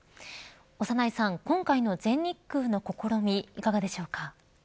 長内さん、今回の全日空の試みいかがでしょうか。